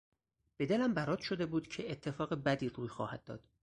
به دلم برات شده بود که اتفاق بدی روی خواهد داد.